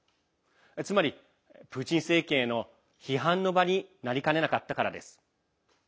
つまり、プーチン政権への批判の場になりかねなかったからです。